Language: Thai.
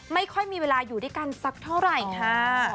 ไม่ค่อยมีเวลาอยู่ด้วยกันสักเท่าไหร่ค่ะ